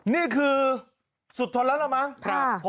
นี่คือสุดทนแล้วหรอมั้งครับ